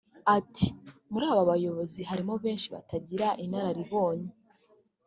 Ati “Muri aba bayobozi harimo benshi bataragira inararibonye